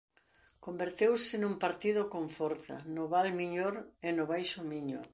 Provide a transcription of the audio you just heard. Converteuse nun partido con forza no Val Miñor e no Baixo Miño.